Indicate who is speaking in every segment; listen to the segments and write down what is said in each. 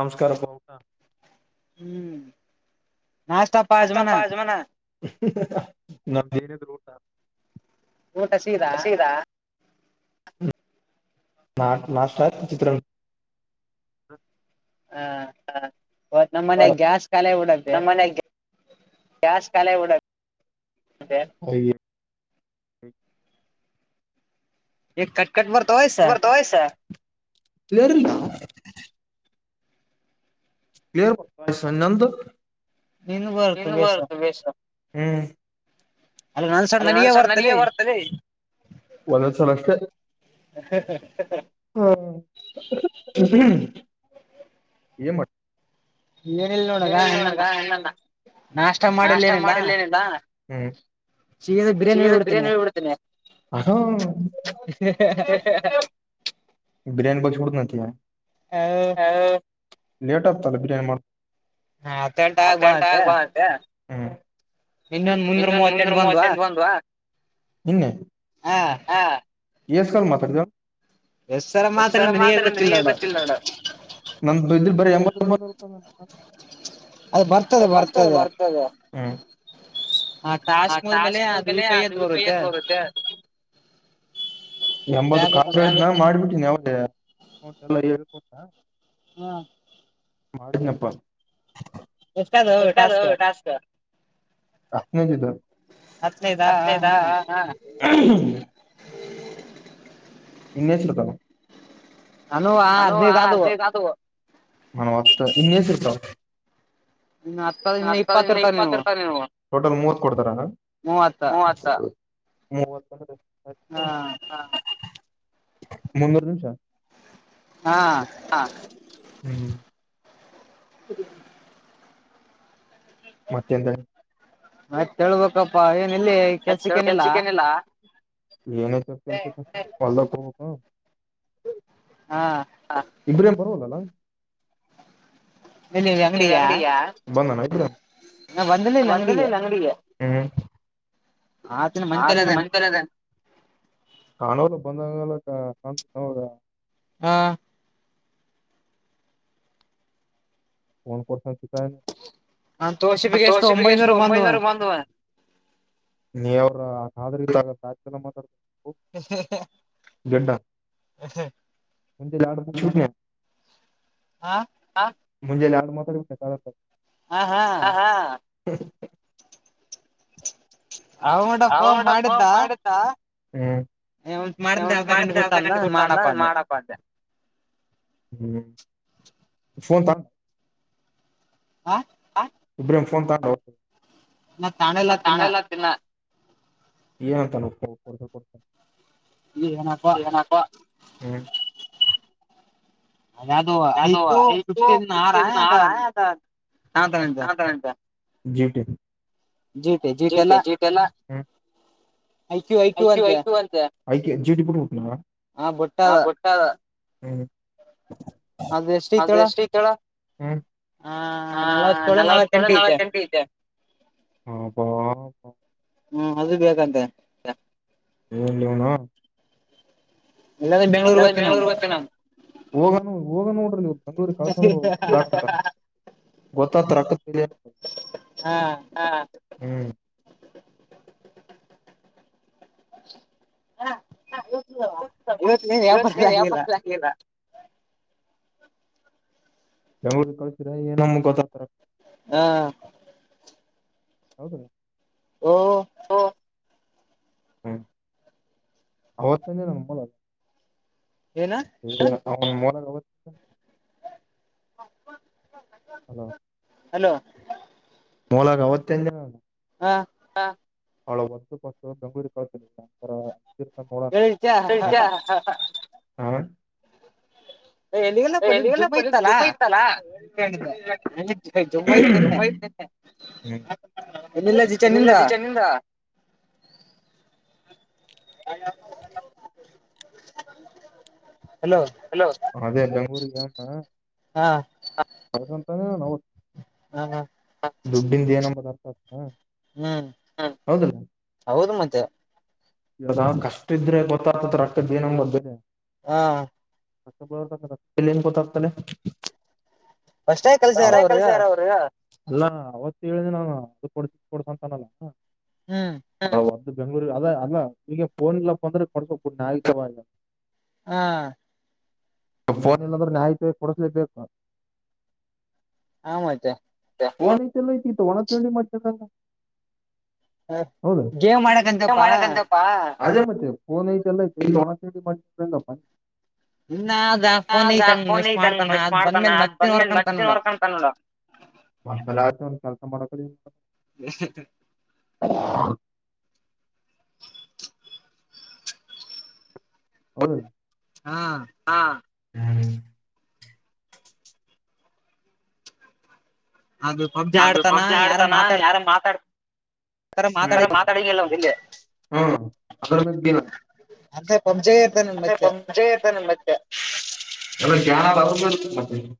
Speaker 1: ನಮಸ್ಕಾರಪಾ ಊಟಾ.
Speaker 2: ಹ್ಮ್.
Speaker 1: ಅಷ್ಟ ಅಪ್ಪ ಅಜಮಾನ. [unintelligible]
Speaker 2: ಊಟ ಸೀದಾ.
Speaker 1: ಹ್ಮ. ನಾ ನಾಷ್ಟ ಚಿತ್ರಾನ್ನ.
Speaker 2: ಹಾ ಇವತ್ತ ನಮ್ಮ ಮನ್ಯಾಗ ಗ್ಯಾಸ ಕಲಿ ಆಗಿ ಬಿಟ್ಟೈತಿ.
Speaker 1: ಗ್ಯಾಸ್ ಖಾಲಿ ಆಗಿಬಿಟ್ಟೈತ [unintelligible] ಅಯ್ಯೋ.
Speaker 2: ಎ ಕಟ್ಟ
Speaker 1: ಇವಗ ತೋಯ್ಸ. [unintelligible] [unintelligible] ನಂದು ಇನ್ನು [unintelligible] ವೇಷ. ಹ್ಮ್. ಹಲೋ ನಾನಾ ಸಾ ನದಿಗೆ ಬರ್ತಾರಿ ಒಂದೊಂದ್ಸಲ ಅಷ್ಟ. ಹಾ ಹ್ಮ್ಮ್. ಏನ ಮಾ ಏನಿಲ್ಲ ನೋಡ ಗಾ [unintelligible] ನಾಷ್ಟ ಮಾಡಿರ್ಲಿಲ್ಲ ಹ್ಮ್ಮ್. [unintelligible] ಬಿರಿಯಾನಿ ಹೇಳಿ ಬಿಡ್ತೇನೀ. ಅಣ್ಣ ಬಿರಿಯಾನಿ ಕೊಡಿಸ್ಕೊಡ್ತೀನ ಅಂತೀಯಾ.
Speaker 2: ಹಾ.
Speaker 1: ಲೇಟ್ ಆಯ್ತ ಅದಕೆ ಮತ್ತ [unintelligible] ಬಂದೈತ. ಇನ್ನೊಂದ ಮುನ್ನೂರ ಮೂವತ್ತೆಂಟು ಬಂದ್ವಾ ಹ್ಮ್ಮ್.
Speaker 2: ಹಾ.
Speaker 1: ಎಸ್ ಕಾಲ್ ಮಾತಾಡ್ದ್ಯೋ. ಹೆಸರ ಮಾತ್ರ ನಿನಗೆ ಗೊತ್ತಿಲ್ಲ ನೋಡ ನನ್ನ ಇದನ ಬರೆ ಎಂಬತ. [unintelligible] ಅದ ಬರ್ತದೆ ಬರ್ತದ ಹ್ಮ್. ಹ ಟಾಸ್ಕ್ ಬಂದ ಕಲೆ ಆದ [unintelligible] ಪೈಅಂತ ಹೋಗುತ್ತೆ. ಎಂಬತ್ ಕಾಲ್ ರೇಟ್ ಮಾಡ್ಬಿಟ್ಟನಿ ಅವಾಗ ಲೆ [unintelligible]
Speaker 2: ಹ್.
Speaker 1: ಮಾಡಿದ್ನಪ್ಪಾ ಎಷ್ಟ ಅದೂ ವೋ ಟಾಸ್ಕ್. ಹತ್ತನೇದ ಇದು. ಹತ್ತನೇ ದ ಹ ಹಾ. ನೀನು ಎಷ್ಟ ಅದಾವ. ನನ್ನುವ ಹದಿನೈದ ಅದು ನನ್ನು ಹತ್ತ ಇನ್ನ ಎಸ್ ಇರ್ತವ. ಹತ್ತತೋದ ಇಂದ ಇಪ್ಪತ್ತ ಇರ್ತಾರ ಇವ. ಟೋಟಲ್ ಮೂರ ಕೊಡ್ತಾರ ಅಲ್ಲ ಮೂವತ್ತ [unintelligible] [unintelligible] ಹಾ ಮುನ್ನೂರ ನಿಮಿಷ. ಹಾ ಹ್ಮ್.
Speaker 2: [unintelligible]
Speaker 1: ಮತ್ತ ಎಂತ.
Speaker 2: ನೆಟ್ ಹೇಳ್ಬೇಕಪ್ಪಾ ಆ ಎ
Speaker 1: ಅದ ಕೆಳಗ ಕೆಲಸಕ ಏನ ಇಲ್ಲ ಏನ ಕೆಲಸಕ [unintelligible] ಹೋಗ. [unintelligible] ಹ ಇಬ್ರಾಹಿಂ ಬರವಾಲ ಅಲ್ಲ. ಎಲ್ಲಿ ಅಂಗಡಿಗ ಯಾ. ಒಂದನು ಇಲ್ಲ ಅಂಗಡಿಗೆ ಹ್ಮ್ಮ್. ಆತನ [unintelligible] ಅದ. ಕಾಣವಲ್ಲ ಬಂದಲ್ಲಕ ಕಾಣ. [unintelligible]
Speaker 2: ಹಾ.
Speaker 1: ಉಣ್ಣಕೋತ ಕುತ್ತವ ಏನ ಅಲ್ಲಿ ತೋರಿಸಿ [unintelligible] ಎಷ್ಟ ಓಂಬಯ ನೂರ ಬಂದವ. ನೀ ಅವ್ರ ಕಾದ್ರ ಇದ್ದಾಗ [unintelligible] ಮಾತಾಡ.
Speaker 2: [unintelligible]
Speaker 1: ಮುಂಜನೆ ಯಾರ್ಡ್ [unintelligible] ಆ ಮುಂಜಾನೆ ಯಾರ್ಡ್ ಮಾತಾಡಿ ಕಟ್ ಆಗುತ್ತ.
Speaker 2: ಹಾ ಹಾ.
Speaker 1: ಹ
Speaker 2: ಅವ ಮಡ ಫೋನ್ ಮಾಡಿದ್ದ
Speaker 1: ಮಾಡ್ರ ಅರ್ಧ ಗಂೆ ಗಟ್ಟ ಅಂದ ಮಾಡಪ್ಪ ಅ್ದ ಹ್ಮ್ ಫೋನ್ ತ
Speaker 2: ಹಾ
Speaker 1: ಇಬ್ರಫೋನ್ ತ
Speaker 2: ಮ ತಾಣೆ ಎಲ್ಲಾ ತಿನ್ನ
Speaker 1: ಇ ಹಂತಾನ ಉಪ್ಪ ಕೊತ ಕೊತ ಹಕ ಹ್ಮ ಯಾ್ದೋ ಯ ಆಾರಟ ಜಟ ಜಟ ಜೀತೆೆಲ್ಲ ಐಕು ಐಕ್ಯ ಅಂತ ಐ ಜಿಟ ಇ ಪಟ್ಟ ಮುಟ್ಟುನ ಬಟ್ಟ ಹ
Speaker 2: ಅದ ಎಷ್ಟ ಐತಳ
Speaker 1: ಹ್ಮ ಹ ನಲವತ್ತೊಳ ನಲವತ್ತೆಂಟು ಐತೆ ಹಾ
Speaker 2: ಹ್ಮ್ ಅದು ಬೇಕಂತೆ
Speaker 1: ಹಲ್ಲಣ ಬೆಳೂ ಬ ಹೋಗ ಹೋಗ ನೋಡ್ರಿ ನೀ ಬೆಂಗಳೂ ಕಳಸ ಗೊತ್ತತ್ರಕ್ಕ ಹಾ ಹ್ಮ್
Speaker 2: ಹಾವತ್ತು ಇವತ್ತು ನೀನ್ ವ್ಯಾಪಾರ ಎಲ್ಲ ಆಗ್ಿಲ್ಲ
Speaker 1: ಬೆಂಗಗಳೂರು ಕಳಸಿರ ನಮ್ಮಗೋತ್ತ ರಕ್
Speaker 2: ಹಾ
Speaker 1: ಹೌದ
Speaker 2: ಓ
Speaker 1: ಹ್ಮ್ ಅವವತ ನಮ್ಮಲ ಹ ಮನೆ ಹಲೋ
Speaker 2: ಹಲೋ
Speaker 1: ಮೂಲಾಗ ಅವತ್ತಂ ಜನ
Speaker 2: ಹಾ
Speaker 1: ಅವಳ ಒಂದು ಬೆಂಗಳೂರು ಕ ನೋಡೋಣ ಹ ಎಲ್ಲಿಗೆಲ್ಲ ಪಳ ಜುಪ ಇತ್ತಲ್ಲ ಇಲ್ಲಿಲ್ಲ ಜಿಟನಿಂದ
Speaker 2: ಹ
Speaker 1: ಲೋ ಅದೇ ಬೆಂಗೂರಿಗೆಮ್ಮ
Speaker 2: ಹಾ
Speaker 1: ಂತಾನೇ ನ
Speaker 2: ಹ್ಮ ಹ
Speaker 1: ದುಡ್ಡಿಂದ ಏನಂಬ ಅರ್ತ
Speaker 2: ಹ್ಮ್ ಹೌದು ಮತ್ತೆ
Speaker 1: ಇವ ಕಷ್ಟ ಇದ್ರೆ ಗೊತ್ತತತ್ ಅಕ್ಕದ ದನಂಗ ಬದೆ
Speaker 2: ಹಾ
Speaker 1: ಅ ಬ ಪ್ಲೆನ್ ಕೊತ ಆಗ್ತಲ್ಲ ಅಷ್ಟೇ ಕಲ್ಸ ಯಾರ ಅವ್ರಗ ಅಲ್ಲಾ ಅವತ್ತ ಹೇಳಿದ ನಾನು ಅದು ಕೊಡ್ ಕೊಡ್ಸಂತನಲ್ಲ ಬೆಂಗ್ಗಳೂರಿಗೆ ಅದ ಅಲ್ಲ ಈಗ ಫೋನ್ ಇಲ್ಲಪ್ಪ ಅಂದ್ರೆ ಕೊಡ್ಸಕೋ ಕುೂಡ್ ಆಯ್ತವ ಈಗ.
Speaker 2: ಹಾ.
Speaker 1: ಫೋನ್ ಇಲ್ಲಾಂದ್ರೆ ನ್ಯಾಯತಿ ಕೊಡಸ್ಲೇಬೇಕು.
Speaker 2: ಆ ಮತ್ತೆ.
Speaker 1: ಒಣ ರತಿ ಲೈತಿ ಒಣ ಚೆಡಿ ಮಾಡತ ಕ. ಹೌದ ಮಾಡಕಂತಪ್ಪಾ. ಫೋನ್ ಆಯಿತಲ್ಲಿ. [inaudible] ಹ ಅದಾ ಫೋನ್ ಐತಂಗ ಮಸ್ ಮಾಡ್ತಾನ ಅದ್ ಬಂದ್ಮೇಲೆ ಮಸ್ನ್ ಹೊರ್ಕೊತಾನಲ್ಲ. [unintelligible] ಕೆಲಸ ಮಾಡಕ.
Speaker 2: ಹ [unintelligible]
Speaker 1: ಹ [unintelligible]
Speaker 2: [inaudible]
Speaker 1: ಹೌ
Speaker 2: ಹಾ
Speaker 1: ಹ್ಮ್ [unintelligible] ಅದು ಪಬ್ಜಿ ಆಡ್ತಾನ ಯಾರ ಮಾತಾಡ್. ಮಾತಾಡ ಎಲ್ಲ [unintelligible]
Speaker 2: ಅರ್ದ [unintelligible]
Speaker 1: ಅತ್ತೇ ಸಂಚೆತ ನಿ ಮತ್ತೆ. ಅ ಜಾನ ಆ ಆದ ಮತ್ತೆ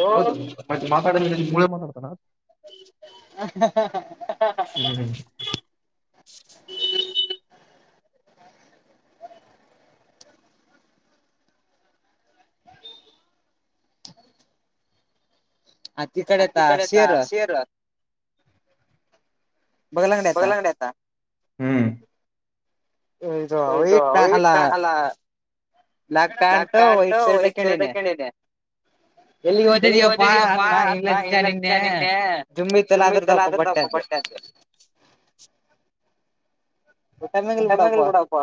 Speaker 1: ಮ [unintelligible] [unintelligible] ಮಾತಾಡ್ತಾನಾ.
Speaker 2: ಹ [inaudible] ಹ್ಮ [inaudible] ಆತ್ತ ಕಡೆ ತ ಸೇರು. ಬಗಲ ಅಂಗಡೆ ಏತ
Speaker 1: ಹ್ಮ್. [unintelligible] ನಕ್ಕ ಅಂಟು ಒ ಸರ್ ತಕೊಂಡಿದೆೆ. ಎಲ್ಲಿ ಓದಿದೀವಪ್ಪಾ ಅಮ್ಮ ಇಚ್ಚ ನಿನ್ನೆ ತುಂಬಿಲ್ಲ್ರದಪ್ಪ. ಬಟ್ಟಕ. [unintelligible] ಬಸಪ್ಪ.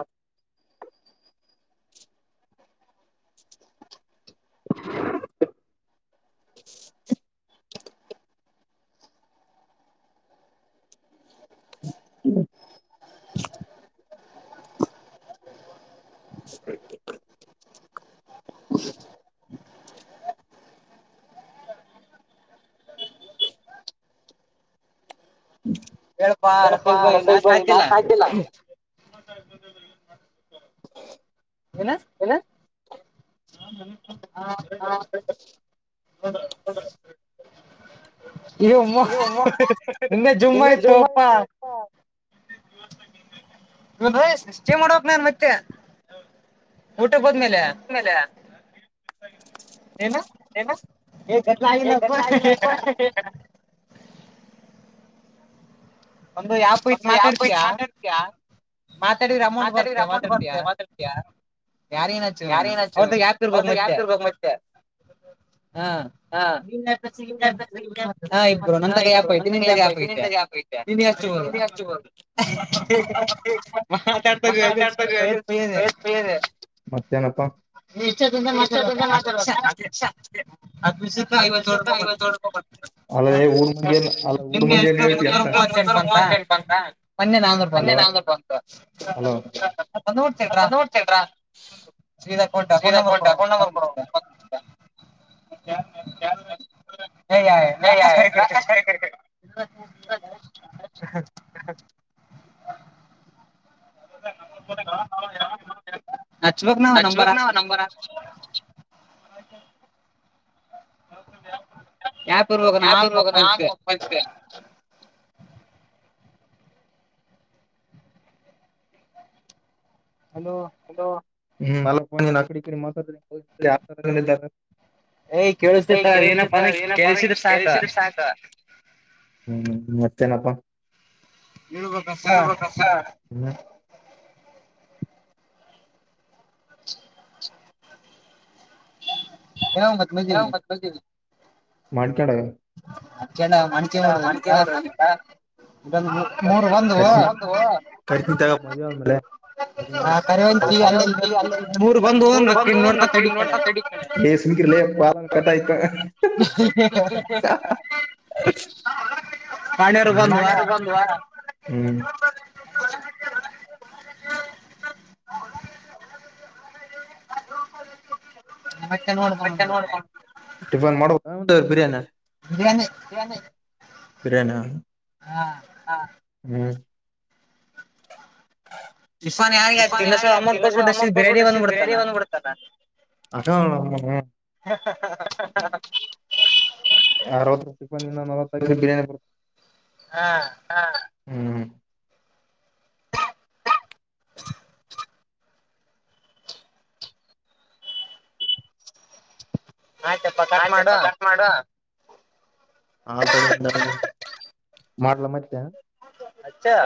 Speaker 1: [unintelligible] ಹ್ಮ ಸರಿ [inaudible] [unintelligible]
Speaker 2: ಹೇಳ್ಪಾ [inaudible] ಬೈ ನಾ ಸಾಯ್ತಿಲ್ಲ.
Speaker 1: [inaudible]
Speaker 2: ಏನ. [inaudible] [inaudible] ಇಮ್ಮ ನಿನ್ನೆ ಜುಮ್ಮ ಇತ್ತು ಅಪ್ಪಾ. ಸ್ಟೇ ಮಾಡ್ಬೇಕಕ್ ನನ್ ಮತ್ತೆ ಊಟ. ಟುಕುದ್ಮೇಲೆ- ಏನ ಏ ಕತ್ಲಾಗಿಲ್ಲ ಪಾ [unintelligible] ಒಂದು ಯಾಪು ಇತ್ ಮಾತಾಡ್ತೀಯಾ. ಮಾತಾಡಿದ್ರೆ ಅಮೌಂಟ್ ಬರ್ತೆ ಮಾತಾಡ್ತಯಾ. ಯಾರಿಗಾದರೂ ಅಚ್ಚುಲಿ ಅವರ ಧಗ ಅಪ ಇರಬೇಕು ಮತ್ತೆ. ಇಬ್ಬರು ನನ್ ತಗ ಯಾಪ ಐತಿ ನಿ ತಗ ಯಾಪ ಐತೆ. ನೀನ್ ಅಷ್ಟ ಬೋದ [inaudible]
Speaker 1: [inaudible] ಮತ್ತೇನಪ್ಪಾ. [unintelligible] ಮಾತಡ್ಬಾ. [unintelligible] ಅ ಊ ಅ ಊ ಮ ಏನುಳ್. ಎ ಮುನ್ನೂರ ಮೂವತ್ತೆಂಟು ಬಂತ ನ ಬಂತು. ಹಲೋ ಬಂದು. [unintelligible] [unintelligible] Account account number. [inaudible]
Speaker 2: [inaudible] [inaudible]
Speaker 1: [inaudible] ಅಚುವಕ್ ನಾವ ನಂಬರ್ ಆ. [inaudible]
Speaker 2: [inaudible] [unintelligible] ಹಲೋ
Speaker 1: ಹ್ಮ್ ಮ ನಕಡಿ ಕಡೆ ಮಸ. [inaudible] ಕೆೇಳಸ ಇನ ಪ ಕೆಳ್ಸ ಸಾಕ. ಹ್ಮ ಹೂ ಮತ್ತೇನಪ್ಪ. [inaudible]
Speaker 2: ಇನ [unintelligible]
Speaker 1: ಮಣಿಕಾಡ ಮಣಿಕ. [unintelligible] [inaudible] ಕರೀತೀನಿ ತಗ ಮದುವೆ ಆದ್ಮೇಲೆ. [unintelligible] ಹೇ ಸುಮ್ಕಿರೆ ಲೀ. [unintelligible] [unintelligible] ಹ್ಮ [unintelligible] ಒಂದ್ ವಾರ ಹ್ಮ್.
Speaker 2: [unintelligible]
Speaker 1: [inaudible] [inaudible] ಟಿಫನ್ ಮಾಡಬೇಕು ಬಿರಿಯಾನಿ.
Speaker 2: ಬಿರಿಯಾನಿ.
Speaker 1: ಬಿರಿಯಾನ.
Speaker 2: ಹಾ.
Speaker 1: ಹ್ಮ್ ಫಾನ್ ಯಾರ ಆತಿ ಇನ್ನೊ ಸ್ವಲ್ ಅಮೌಂಟ್ ಕೊಟ್ಬಿಟ್ಟುಷ್ಟಿ ಬಂದ್ಬಿಡ್ತದ. [inaudible] ಹ್ಮ ಹ್ಮ ಯರದು. ಚಿಕಫನ್ ಇನ್ನು ನಲ್ವತ್ತ ಬಿರಿಯಾನಿ ಬತ್ತ.
Speaker 2: ಹಾ.
Speaker 1: ಹ್ಮ್ ಆಯ್ತಪ್ಪಷ್ಟ ಮಾಡು. ಹಲ್ತಡಿ ಮಾರಲ ಮಾಡಲ ಮತ್ತೇ.
Speaker 2: ಅಚ್ಚಾ.